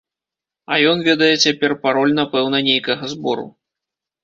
А ён ведае цяпер пароль напэўна нейкага збору.